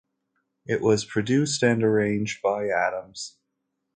It was produced and arranged by Adams.